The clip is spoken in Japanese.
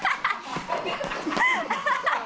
ハハハハ！